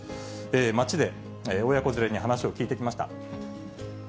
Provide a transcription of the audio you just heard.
街で親子連れに話を聞いてきました。